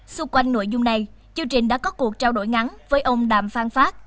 xung quanh nội dung này chương trình đã có cuộc trao đổi ngắn với ông đàm phán phát